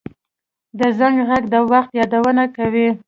د زنګ غږ د وخت یادونه کوي